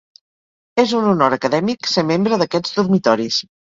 És un honor acadèmic ser membre d'aquests dormitoris.